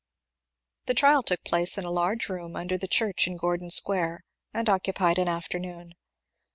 The trial took place in a large room under the church in (rordon Square, and occupied an afternoon.